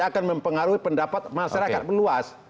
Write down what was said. akan mempengaruhi pendapat masyarakat meluas